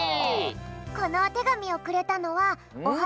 このおてがみをくれたのは「オハ！